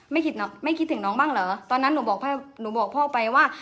ไม่คิดถึงน้องบ้างเหรอตอนนั้นหนูบอกหนูบอกพ่อไปว่า